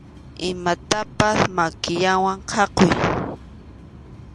Imatapaq makillawan khakuy.